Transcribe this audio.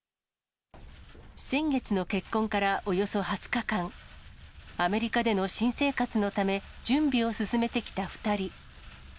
先月の結婚からおよそ２０日間、アメリカでの新生活のため、準備を進めてきた２人。